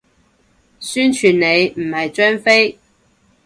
宣傳你，唔係張飛